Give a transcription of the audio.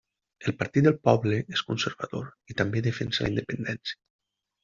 El Partit del Poble és conservador i també defensa la independència.